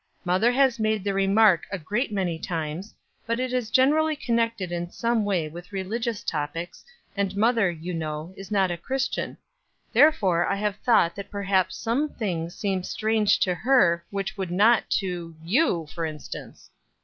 Mother has made the remark a great many times, but it is generally connected in some way with religious topics, and mother, you know, is not a Christian; therefore I have thought that perhaps some things seemed strange to her which would not to you, for instance.